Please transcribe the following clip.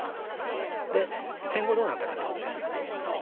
戦後どうなったかっていうことです。